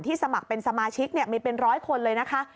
สมัครเป็นสมาชิกมีเป็นร้อยคนเลยนะคะ